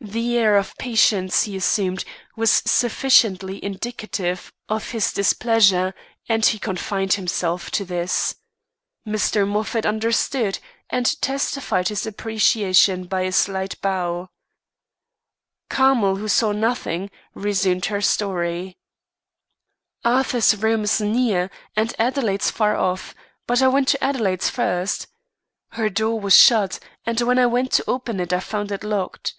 The air of patience he assumed was sufficiently indicative of his displeasure, and he confined himself to this. Mr. Moffat understood, and testified his appreciation by a slight bow. Carmel, who saw nothing, resumed her story. "Arthur's room is near, and Adelaide's far off; but I went to Adelaide's first. Her door was shut and when I went to open it I found it locked.